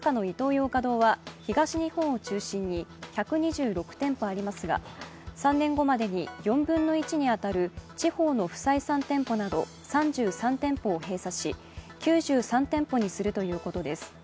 ヨーカドーは東日本を中心に１２６店舗ありますが３年後までに４分の１に当たる地方の不採算店舗など３３店舗を閉鎖し、９３店舗にするということです。